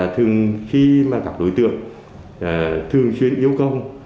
thường khi mà gặp đối tượng thường xuyên yêu công